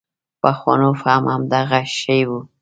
پخوانو فهم همدغه شی و.